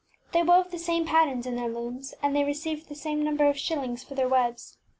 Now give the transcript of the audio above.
They wove the same patterns in their looms, and they received the same number of shil lings for their webs.